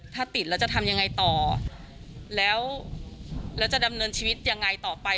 ถ้าติดแล้วจะทำยังไงต่อแล้วแล้วจะดำเนินชีวิตยังไงต่อไป